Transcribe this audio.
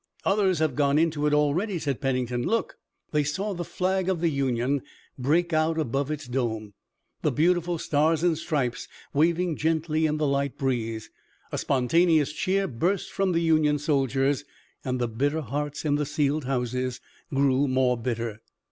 "Others have gone into it already," said Pennington. "Look!" They saw the flag of the Union break out above its dome, the beautiful stars and stripes, waving gently in the light breeze. A spontaneous cheer burst from the Union soldiers, and the bitter hearts in the sealed houses grew more bitter.